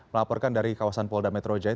melaporkan dari kawasan polda metro jaya